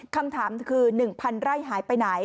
คำถามคือ๑๐๐ไร่หายไปไหน